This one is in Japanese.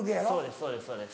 そうですそうです。